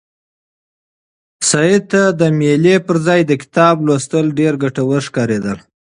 سعید ته د مېلې پر ځای د کتاب لوستل ډېر ګټور ښکارېدل.